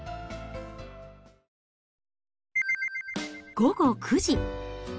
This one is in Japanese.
午後９時。